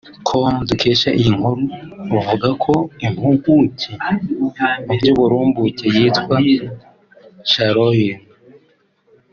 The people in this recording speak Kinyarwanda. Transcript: com dukesha iyi nkuru ruvuga ko impuguke mu by’uburumbuke yitwa Carolyn